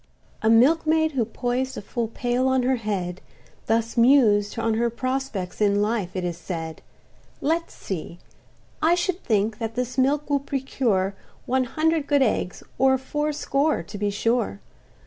A milkmaid, who poized a full pail on her head, Thus mused on her prospects in life, it is said: "Let's see—I should think that this milk will procure One hundred good eggs, or fourscore to be sure.